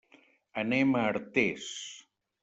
Anem a Artés.